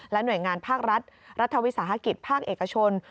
หน่วยงานภาครัฐรัฐวิสาหกิจภาคเอกชน